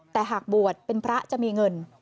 แต่หากบวชเป็นพระจะมีเงิน